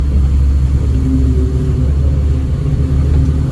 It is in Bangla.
বিনোদিনীর মনে আর সন্দেহের কোনোই কারণ রহিল না।